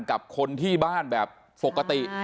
กับคนที่บ้านแบบปกติ